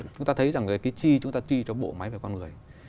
chúng ta thấy rằng cái chi chúng ta chi cho bộ máy về con người